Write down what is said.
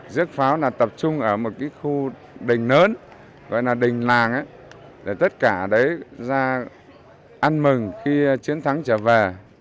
dước pháo là tập trung ở một khu đỉnh lớn gọi là đỉnh làng để tất cả đấy ra ăn mừng khi chiến thắng trở về